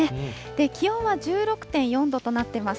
気温は１６．４度となってます。